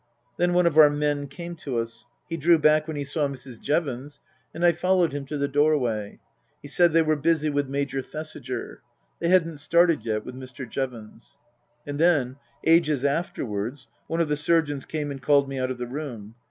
Then one of our men came to us. He drew back when he saw Mrs. Jevons, and I followed him to the doorway. He said they were busy with Major Thesiger. They hadn't started yet with Mr. Jevons. And then ages afterwards one of the surgeons came and called me out of the room.